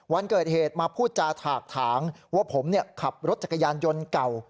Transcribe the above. วันเกิดเหตุมาพูดจาถากถางว่าผมขับรถจักรยานยนต์เก่า